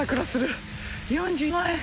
４２万円。